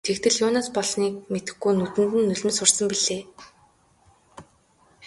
Тэгтэл юунаас болсныг мэдэхгүй нүдэнд нь нулимс хурсан билээ.